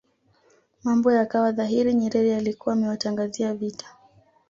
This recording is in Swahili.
mambo yakawa dhahiri Nyerere alikuwa amewatangazia vita